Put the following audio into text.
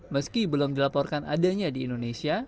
meski belum dilaporkan adanya di indonesia